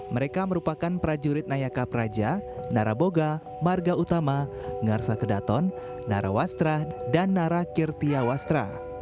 mereka merupakan prajurit nayaka praja naraboga marga utama ngarca kedaton narawastra dan narakirtiawastra